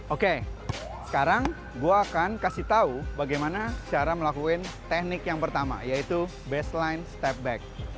oke sekarang gue akan kasih tahu bagaimana cara melakukan teknik yang pertama yaitu baseline step back